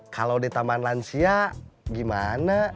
kalau di taman lansia gimana